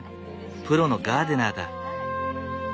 プロのガーデナーだ。